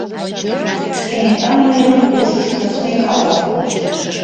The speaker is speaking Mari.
Кенета мыйын ушышко смекалка пурыш.